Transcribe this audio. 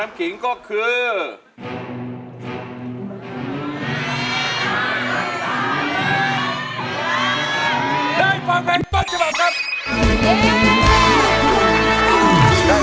มาอีกท่าน